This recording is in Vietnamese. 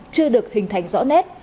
chưa được hình thành rõ nét